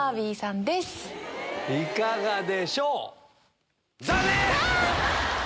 いかがでしょう？